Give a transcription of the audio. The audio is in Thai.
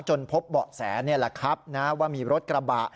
พบเบาะแสนี่แหละครับนะว่ามีรถกระบะ